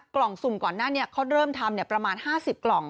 กลุ่มสุ่มก่อนหน้านี้เขาเริ่มทำประมาณ๕๐กล่อง